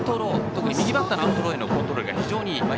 特に右バッターのアウトローへのコントロールが非常にいいと。